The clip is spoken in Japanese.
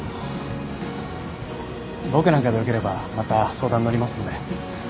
僕なんかでよければまた相談乗りますんで。